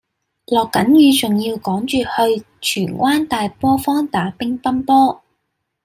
落緊雨仲要趕住去荃灣大陂坊打乒乓波